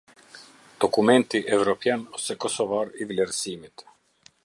Dokumenti evropian ose kosovar i vlerësimit.